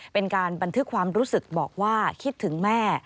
เป็นการบันทึกความรู้สึกบอกว่าคิดถึงแม่